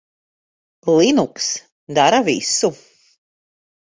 Linux dara visu.